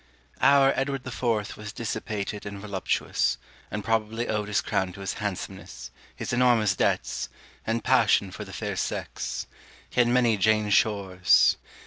Our Edward the Fourth was dissipated and voluptuous; and probably owed his crown to his handsomeness, his enormous debts, and passion for the fair sex. He had many Jane Shores.